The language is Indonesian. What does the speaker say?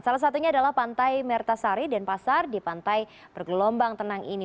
salah satunya adalah pantai mertasari dan pasar di pantai bergelombang tenang ini